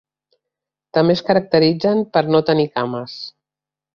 També es caracteritzen per no tenir cames.